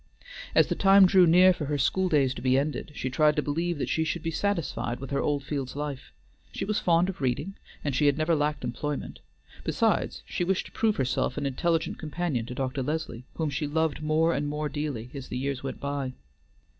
As the time drew near for her school days to be ended, she tried to believe that she should be satisfied with her Oldfields life. She was fond of reading, and she had never lacked employment, besides, she wished to prove herself an intelligent companion to Dr. Leslie, whom she loved more and more dearly as the years went by.